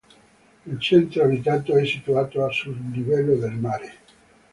Il centro abitato è situato a sul livello del mare.